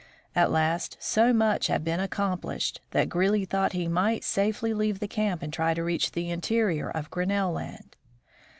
At last so much had been accomplished that Greely thought he might safely leave the camp and try to reach the interior of Grinnell land.